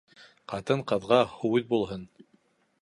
Ҡатын-ҡыҙға һүҙ булһын.